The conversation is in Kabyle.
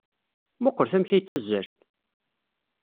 Mmuqqlet amek ay ttazzalen!